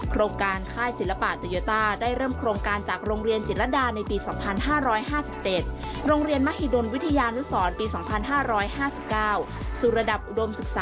ก็มันเอาไปใช้ได้หมดในสื่อครับผม